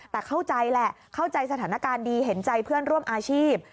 แต่เข้าใจแหละเข้าใจสถานการณ์ดีเห็นใจเพื่อนร่วมอาชีพ